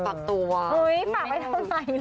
ฝากไม่ต้องใส่